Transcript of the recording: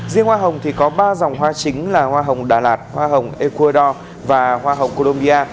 riêng hoa hồng thì có ba dòng hoa chính là hoa hồng đà lạt hoa hồng ecuador và hoa hồng codombia